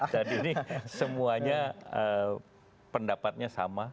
ini semuanya pendapatnya sama